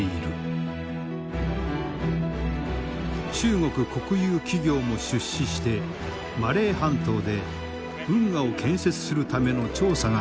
中国国有企業も出資してマレー半島で運河を建設するための調査が始まっていた。